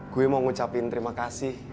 gue mau ngucapin terima kasih